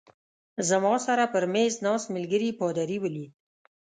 زما سره پر مېز ناست ملګري پادري ولید.